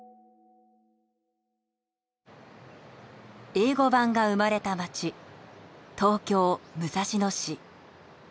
英語版が生まれた町東京武蔵野市。